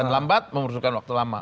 lambat memursukan waktu lama